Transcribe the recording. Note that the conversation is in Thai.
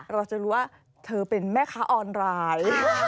เราจะรู้ว่าเธอเป็นแม่ค้าออนไลน์